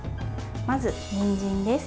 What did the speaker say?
まず、にんじんです。